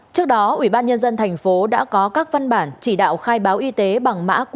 trước đó ủy ban nhân dân thành phố đã có các văn bản chỉ đạo khai báo y tế bằng mã qr